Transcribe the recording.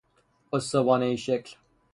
استوانه ای شکل